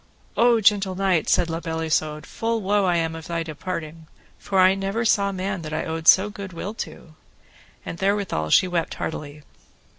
O gentle knight, said La Beale Isoud, full woe am I of thy departing, for I saw never man that I owed so good will to. And therewithal she wept heartily.